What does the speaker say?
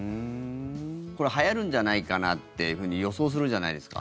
これ、はやるんじゃないかなっていうふうに予想するじゃないですか。